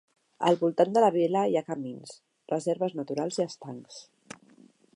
Al voltant de la vila hi ha camins, reserves naturals i estancs.